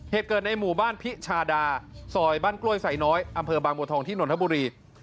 เหตุเกิดในหมู่บ้านพิชาดาซอยบ้านกล้วยไซน้อยอำเภอบางบัวทองที่นนทบุรี